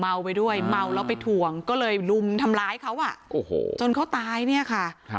ไปด้วยเมาแล้วไปถ่วงก็เลยลุมทำร้ายเขาอ่ะโอ้โหจนเขาตายเนี่ยค่ะ